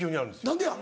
何でや？